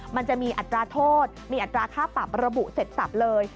มันจะมีอัตราโทษมีอัตราค่าปรับระบุเสร็จสับเลย